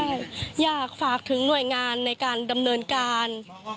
ใช่อยากฝากถึงหน่วยงานในการดำเนินการ